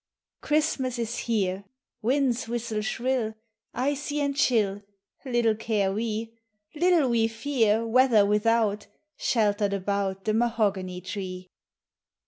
» Christmas is here; Winds whistle shrill, Icy and chill, Little care we; Little we fear Weather without, Sheltered about The mahogany tree.